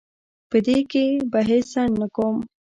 په دې کې به هیڅ ځنډ نه کوم.